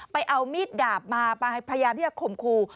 ไปเอามีดดาบมาไปพยายามที่จะข่มครู